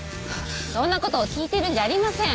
そんな事を聞いてるんじゃありません。